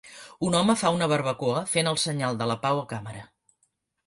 Un home fa una barbacoa fent el senyal de la pau a càmera